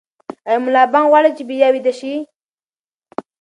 ایا ملا بانګ غواړي چې بیا ویده شي؟